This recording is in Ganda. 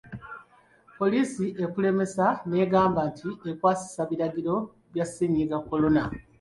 Poliisi ekulemesa ng'egamba nti ekwasisa biragiro bya Ssennyiga Corona.